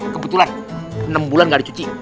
kebetulan enam bulan nggak dicuci